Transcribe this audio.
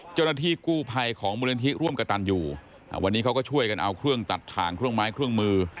เจ้าหน้าที่กู้ภัยของมูลนิธิร่วมกระตันอยู่วันนี้เขาก็ช่วยกันเอาเครื่องตัดถ่างเครื่องไม้เครื่องมือ